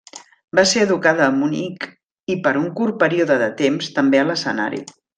Va ser educada a Munic i per un curt període de temps, també a l'escenari.